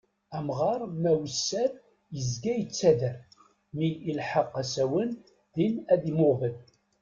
Amɣaṛ ma wesser, yezga yettader; mi ilheq asawen, din ad immuɣben.